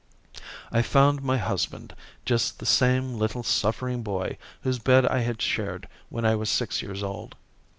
"I found my husband just the same little suffering boy whose bed I had shared when I was six years old.